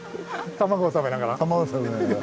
卵食べながら。